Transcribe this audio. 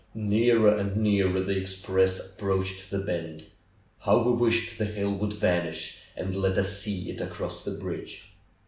Nearer and nearer the express approached the bend. How we wished the hill would vanish and let us see it cross the bridge!